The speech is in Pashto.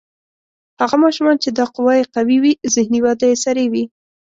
هغه ماشومان چې دا قوه یې قوي وي ذهني وده یې سریع وي.